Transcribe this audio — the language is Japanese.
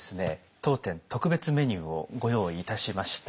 当店特別メニューをご用意いたしました。